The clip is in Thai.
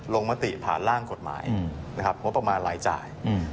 ลงมาติผ่านร่างกฎหมายประมาณหลายจ่าย